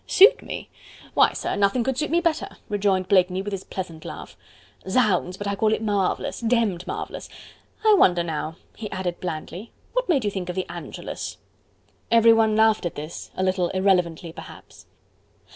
"Suit me! Why, sir, nothing could suit me better," rejoined Blakeney with his pleasant laugh. "Zounds! but I call it marvellous... demmed marvellous... I wonder now," he added blandly, "what made you think of the Angelus?" Everyone laughed at this, a little irrelevantly perhaps.